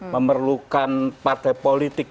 memerlukan partai politik